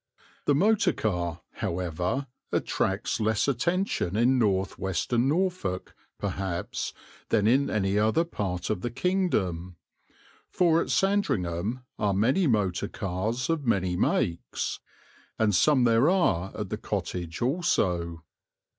The motor car, however, attracts less attention in north western Norfolk, perhaps, than in any other part of the kingdom; for at Sandringham are many motor cars of many makes, and some there are at the Cottage also.